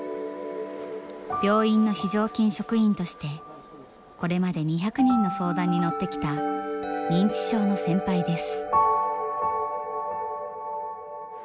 病院の非常勤職員としてこれまで２００人の相談に乗ってきた認知症の先輩です。